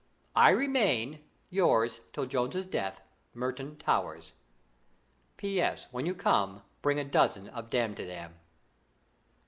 "I remain, "Yours till Jones's death, "MERTON TOWERS. "P.S. When you come, bring a dozen of Damtidam."